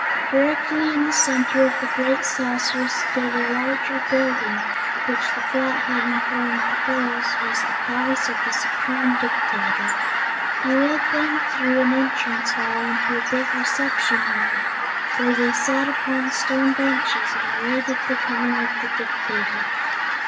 Directly in the center of the great saucer stood a larger building which the Flathead informed the girls was the palace of the Supreme Dictator. He led them through an entrance hall into a big reception room, where they sat upon stone benches and awaited the coming of the Dictator.